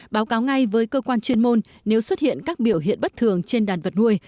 báo cáo ngay với cơ quan chuyên môn nếu xuất hiện các biểu hiện bất thường trên đàn vật nuôi